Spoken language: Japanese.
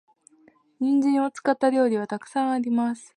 人参を使った料理は沢山あります。